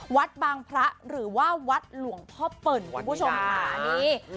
วัดบางพระหรือว่าวัดหลวงพ่อเปิ่นคุณผู้ชมค่ะนี่